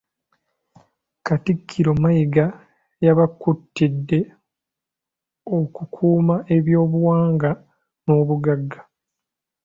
Katikkiro Mayiga yabakuutidde okukuuma ebyobuwangwa n’obugagga.